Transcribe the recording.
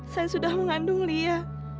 saya sudah mengandung lia